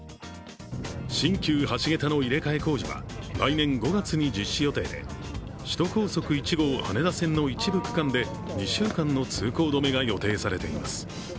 新旧橋桁の入れ替え工事は来年５月に実施予定で首都高速１号羽田線の一部区間で２週間の通行止めが予定されています。